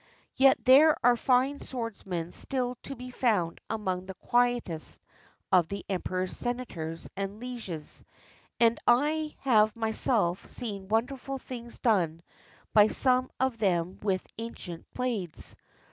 Yet there are fine swordsmen still to be found among the quietest of the Emperor's senators and Ueges, and I have myself seen wonderful things done by some of them with ancient blades.